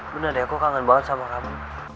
bener deh aku kangen banget sama kamu